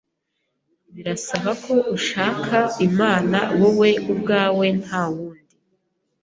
birasaba ko ushaka Imana wowe ubwawe nta wundi